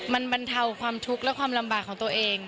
มันบรรเทาความทุกข์และความลำบากของตัวเอง